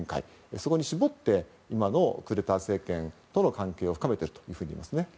そこに絞って今のクーデター政権との関係を深めているというふうにいえます。